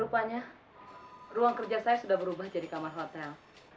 rupanya ruang kerja saya sudah berubah jadi kamar hotel